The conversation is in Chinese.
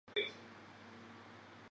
美国总统甘乃迪亦曾患此病。